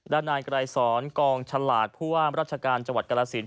ด้านนายไกรสอนกองฉลาดผู้ว่ามราชการจังหวัดกรสิน